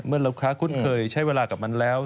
เมื่อลูกค้าคุ้นเคยใช้เวลากับมันแล้ว